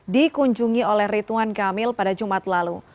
dikunjungi oleh rituan kamil pada jumat lalu